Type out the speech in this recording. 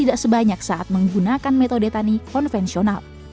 tidak sebanyak saat menggunakan metode tani konvensional